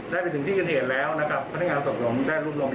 และได้นำผู้ขับรถยนต์ทั้งเกิดเหตุมาตรวจวัดแอลกอฮอล์